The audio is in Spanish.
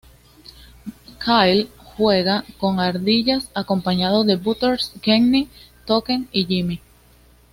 Kyle juega con ardillas acompañado de Butters, Kenny, Token y Jimmy.